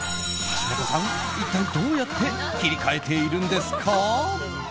橋本さん、一体どうやって切り替えているんですか？